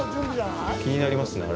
気になりますね、あれ。